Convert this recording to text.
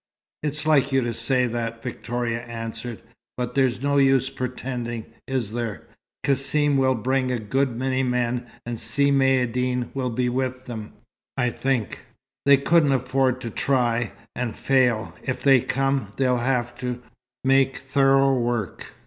"It's like you to say that," Victoria answered. "But there's no use pretending, is there? Cassim will bring a good many men, and Si Maïeddine will be with them, I think. They couldn't afford to try, and fail. If they come, they'll have to make thorough work."